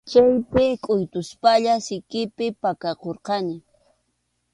Chaypi kʼuytuspalla sikipi pakakurqani.